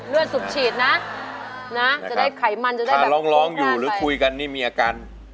เลือดสุบฉีดนะนะจะได้ไขมันจะได้โอน่านใส่ถ้าร้องอยู่หรือคุยกันนี่มีอาการ